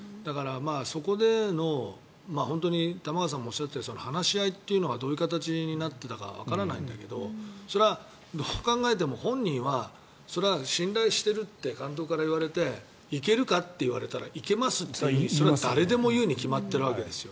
そこでの本当に玉川さんもおっしゃったように話し合いというのがどういう形になっていたかわからないんだけどそれはどう考えても本人は信頼してると監督から言われていけるかと言われたらいけますと誰でも言うに決まってるわけですよ。